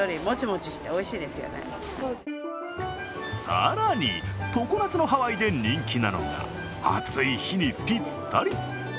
更に、常夏のハワイで人気なのが、暑い日にぴったり！